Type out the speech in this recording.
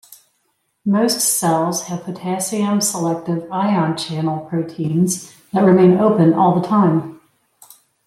Most cells have potassium-selective ion channel proteins that remain open all the time.